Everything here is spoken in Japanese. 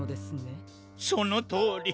そのとおり。